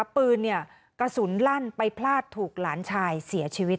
ปืนกระสุนลั่นไปพลาดถูกหลานชายเสียชีวิต